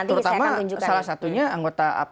terutama salah satunya anggota